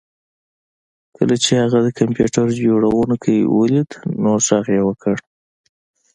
کله چې هغه د کمپیوټر جوړونکی ولید نو غږ یې وکړ